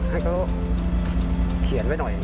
ให้เขาเขียนไว้หน่อย